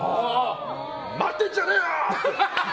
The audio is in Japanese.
待ってんじゃねえよ！って。